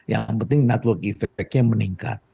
yang penting network efeknya meningkat